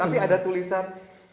tapi ada tulisan